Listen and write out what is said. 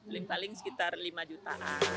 link paling sekitar lima juta